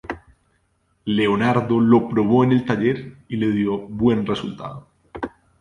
Leonardo lo probó en el taller y le dio buen resultado.